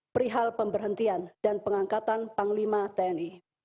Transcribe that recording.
perihal pemberhentian dan pengangkatan panglima tni